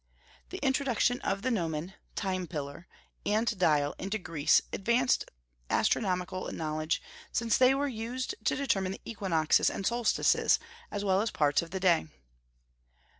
The introduction of the gnomon (time pillar) and dial into Greece advanced astronomical knowledge, since they were used to determine the equinoxes and solstices, as well as parts of the day.